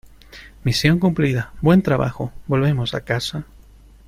Misión cumplida. Buen trabajo . Volvemos a casa .